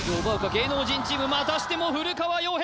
芸能人チームまたしても古川洋平